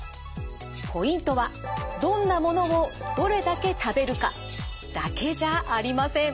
ポイントはどんなものをどれだけ食べるかだけじゃありません。